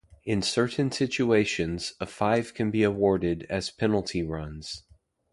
In certain situations, a five can be awarded as "penalty runs".